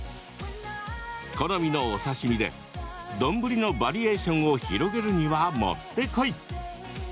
好みのお刺身で丼のバリエーションを広げるにはもってこい。